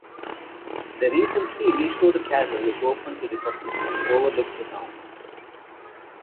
The recently restored castle is open to the public and overlooks the town.